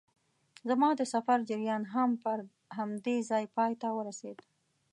زما د سفر جریان هم پر همدې ځای پای ته ورسېد.